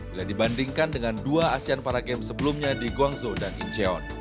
bila dibandingkan dengan dua asean para games sebelumnya di guangzhou dan incheon